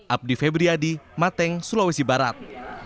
abdi febriyadi mateng sulawesi barat